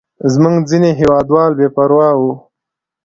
زموږ ځینې هېوادوال بې پروا وو.